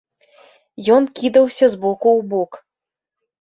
Ён кідаўся з боку ў бок.